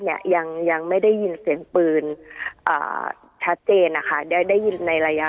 เนี่ยยังยังไม่ได้ยินเสียงปืนอ่าชัดเจนนะคะได้ได้ยินในระยะ